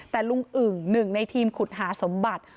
แต่ลุงอึ่งหนึ่งในทีมขุดหาสมบัติ